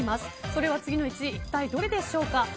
それは次のうち一体どれでしょうか。